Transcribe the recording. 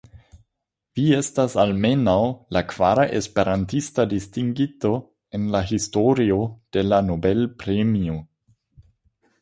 Vi estas almenaŭ la kvara esperantista distingito en la historio de la Nobel-premio.